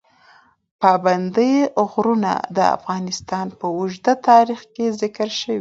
پابندی غرونه د افغانستان په اوږده تاریخ کې ذکر شوی دی.